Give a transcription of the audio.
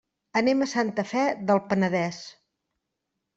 Anem a Santa Fe del Penedès.